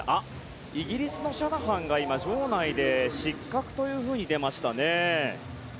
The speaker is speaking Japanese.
イギリスのシャナハンが今、場内で失格と出ましたね。